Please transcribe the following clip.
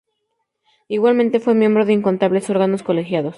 Igualmente fue miembro de incontables órganos colegiados.